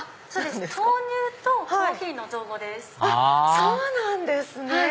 そうなんですね！